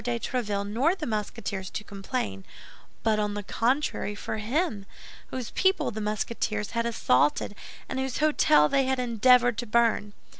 de Tréville nor the Musketeers to complain, but, on the contrary, for him, whose people the Musketeers had assaulted and whose hôtel they had endeavored to burn.